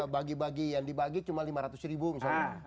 bagi bagi yang dibagi cuma lima ratus ribu misalnya